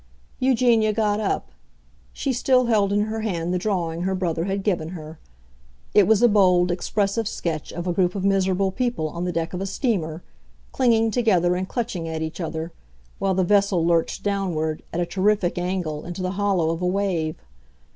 Eugenia got up; she still held in her hand the drawing her brother had given her. It was a bold, expressive sketch of a group of miserable people on the deck of a steamer, clinging together and clutching at each other, while the vessel lurched downward, at a terrific angle, into the hollow of a wave.